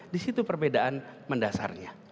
di situ perbedaan mendasarnya